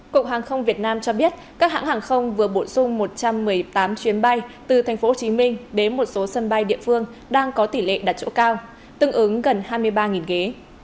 cục hàng không việt nam cho biết các hãng hàng không vừa bổ sung một trăm một mươi tám chuyến bay từ tp hcm đến một số sân bay địa phương đang có tỷ lệ đặt chỗ cao tương ứng gần hai mươi ba ghế